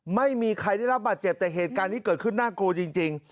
ไม่มีใครได้รับบาดเจ็บแต่เหตุการณ์นี้เกิดขึ้นน่ากลัวจริง